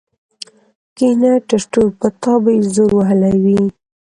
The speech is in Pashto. کېنه ټرتو په تا به يې زور وهلی وي.